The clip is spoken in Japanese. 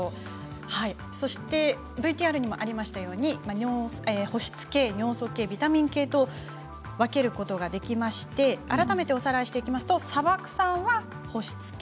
そして、ＶＴＲにもありましたように保湿系、尿素系、ビタミン系と分けることができまして改めておさらいしていきますと砂漠さんは保湿系。